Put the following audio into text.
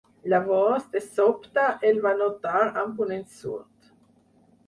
Llavors, de sobte, el va notar amb un ensurt.